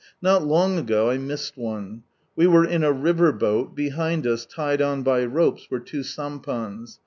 Not long ago I missed one. We were in a river boat, behind us tied on by ropes were two sampans.